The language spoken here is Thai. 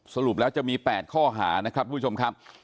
สรุปแล้วจะมี๘ข้อหานะครับทุกผู้ชมครับ